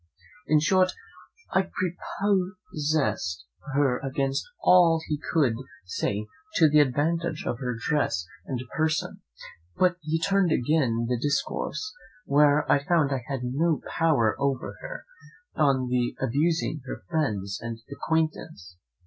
In short, I prepossessed her against all he could say to the advantage of her dress and person; but he turned again the discourse, where I found I had no power over her, on the abusing her friends and acquaintance.